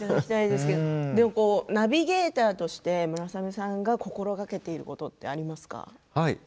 ナビゲーターとして村雨さんが心がけていることってありますか。